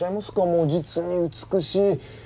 もう実に美しい。